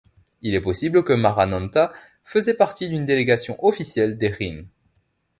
Il est possible que Marananta faisait partie d'une délégation officielle des Jin.